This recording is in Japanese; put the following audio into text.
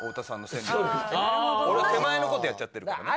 俺手前の事やっちゃってるからね。